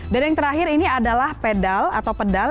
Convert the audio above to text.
dan yang terakhir ini adalah pedal atau pedal